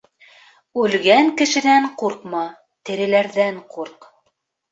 Үлгән кешенән ҡурҡма, тереләрҙән ҡурҡ.